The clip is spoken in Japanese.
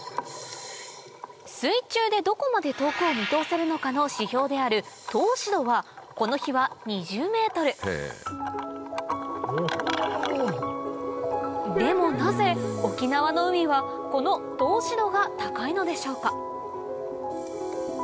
水中でどこまで遠くを見通せるのかの指標である透視度はこの日は２０ｍでもなぜ沖縄の海はこの透視度が高いのでしょうか？